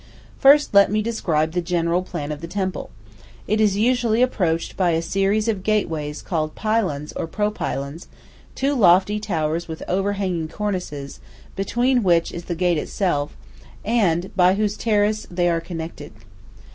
First let me describe the general plan of a temple; it is usually approached by a series of gateways called pylons or pro pylons, two lofty towers with overhanging cornices, between which is the gate itself, and by whose terrace they are connected.